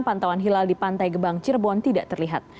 pantauan hilal di pantai gebang cirebon tidak terlihat